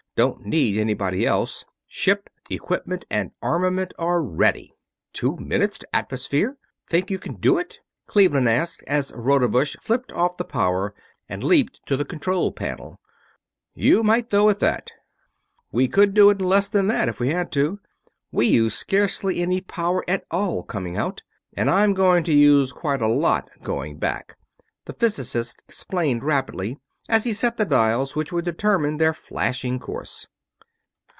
Don't need anybody else. Ship, equipment, and armament are ready!" "Two minutes to atmosphere? Think you can do it?" Cleveland asked, as Rodebush flipped off the power and leaped to the control panel. "You might, though, at that." "We could do it in less than that if we had to. We used scarcely any power at all coming out, and I'm going to use quite a lot going back," the physicist explained rapidly, as he set the dials which would determine their flashing course.